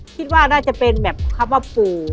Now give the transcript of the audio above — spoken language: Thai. คิดว่าน่าจะเป็นแบบคำว่าปู่